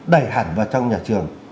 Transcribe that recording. đầy hẳn vào trong nhà trường